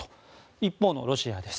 一方のロシアです。